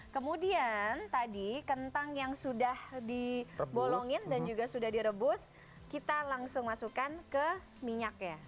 kemudian tadi kentang yang sudah di bolongin dan juga sudah direbus kita langsung masukkan ke minyaknya